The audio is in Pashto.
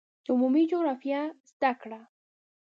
د عمومي جغرافیې زده کړه